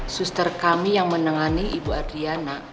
suster kami yang menangani ibu adriana